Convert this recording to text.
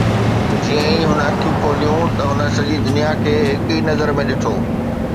جيئن ئي هن اکيون کوليون ته هن سڄي دنيا کي هڪ ئي نظر ۾ ڏٺو